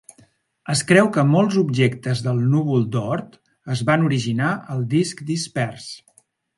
Es creu que molts objectes del núvol d'Oort es van originar al disc dispers.